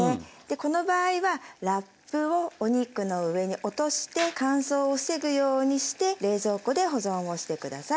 この場合はラップをお肉の上に落として乾燥を防ぐようにして冷蔵庫で保存をして下さい。